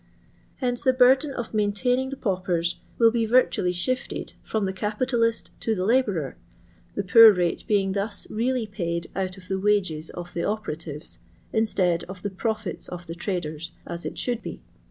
Hence the burden of maintaining the paupers will be virtually shifted from the capitalist to the kbourer, the poor rate being thus really paid out of the wages of the operatives, instead of the profits of the traders, as it should be.